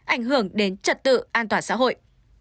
ảnh hưởng đến trật tự an toàn xã hội